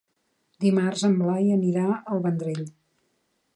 Dimarts en Blai anirà al Vendrell.